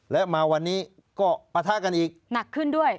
และมาวันนี้ก็ปะทะกันอีกหนักขึ้นด้วย